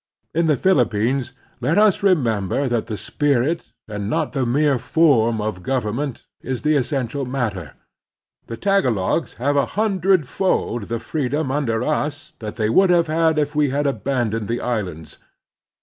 In the Philippines let us remember that the spirit and not the mere form of government is the National Duties 281 essential matter. The Tagalogs have a htindred fold the freedom under us that they would have if we had abandoned the islands.